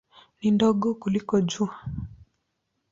Ni ndogo kuliko Jua.